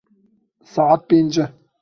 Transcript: Saet pênc e.